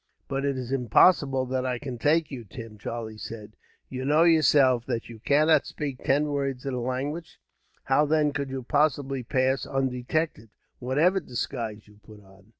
"But it is impossible that I can take you, Tim," Charlie said. "You know, yourself, that you cannot speak ten words of the language. How then could you possibly pass undetected, whatever disguise you put on?"